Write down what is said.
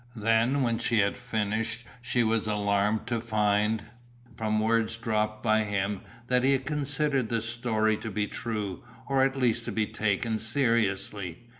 Then when she had finished she was alarmed to find, from words dropped by him, that he considered the story to be true, or at least to be taken seriously.